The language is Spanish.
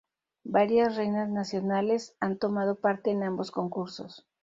Varias reinas nacionales han tomado parte en ambos concursos.